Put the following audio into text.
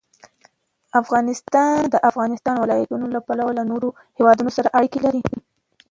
افغانستان د د افغانستان ولايتونه له پلوه له نورو هېوادونو سره اړیکې لري.